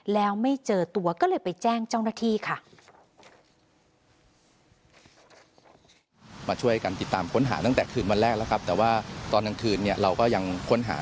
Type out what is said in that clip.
แล้วไม่เจอตัวก็เลยไปแจ้งเจ้าหน้าที่ค่ะ